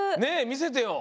みせてよ！